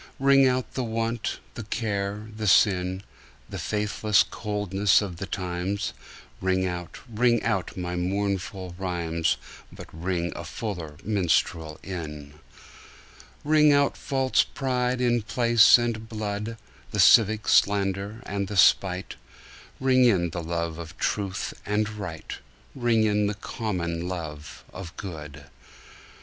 Ring out the want, the care the sin, The faithless coldness of the times; Ring out, ring out my mournful rhymes, But ring the fuller minstrel in. Ring out false pride in place and blood, The civic slander and the spite; Ring in the love of truth and right, Ring in the common love of good.